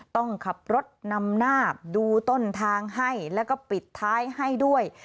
ต้องขับรถนำนาคดูต้นทางให้แล้วก็ปิดท้ายให้ด้วย